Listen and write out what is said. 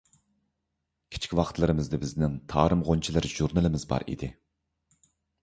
كىچىك ۋاقىتلىرىمىزدا بىزنىڭ «تارىم غۇنچىلىرى» ژۇرنىلىمىز بار ئىدى.